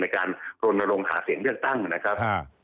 การโรนโรงหาเสียงเลือกตั้งนะครับ